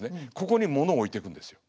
ここにものを置いていくんですよ。